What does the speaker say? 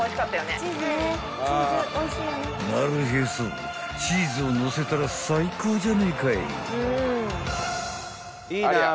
［なるへそチーズをのせたら最高じゃねぇかい］